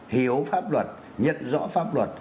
hiểu pháp luật nhận rõ pháp luật